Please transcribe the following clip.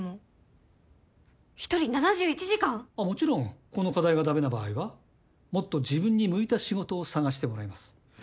あっもちろんこの課題が駄目な場合はもっと自分に向いた仕事を探してもらいます。